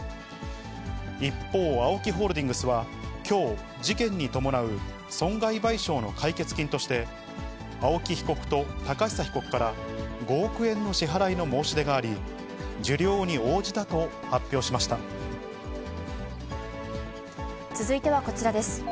一方、ＡＯＫＩホールディングスは、きょう、事件に伴う損害賠償の解決金として、青木被告と寶久被告から５億円の支払いの申し出があり、続いてはこちらです。